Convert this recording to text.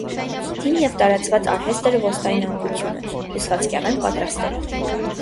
Հին ու տարածված արհեստ էր ոստայնանկությունը՝ հյուսվածքեղեն պատրաստելը։